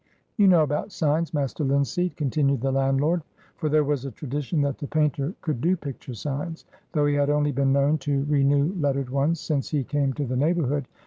You know about signs, Master Linseed," continued the landlord. For there was a tradition that the painter could "do picture signs," though he had only been known to renew lettered ones since he came to the neighborhood.